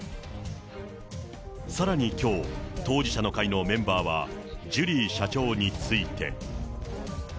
さらにきょう、当事者の会のメンバーは、ジュリー社長について。